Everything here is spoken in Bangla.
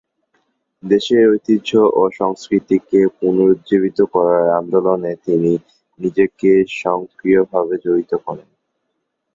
দেশের ঐতিহ্য ও সংস্কৃতিকে পুনরুজীবিত করার আন্দোলনে তিনি নিজেকে সংক্রিয়ভাবে জড়িত করেন।